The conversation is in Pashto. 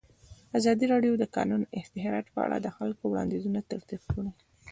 ازادي راډیو د د کانونو استخراج په اړه د خلکو وړاندیزونه ترتیب کړي.